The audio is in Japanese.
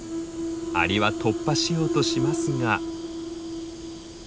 アリは突破しようとしますが。